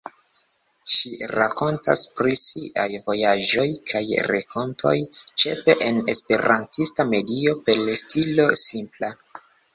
Ŝi rakontas pri siaj vojaĝoj kaj renkontoj ĉefe en esperantista medio per stilo simpla.